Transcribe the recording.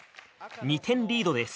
２点リードです。